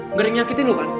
nggak ada yang nyakitin lu kan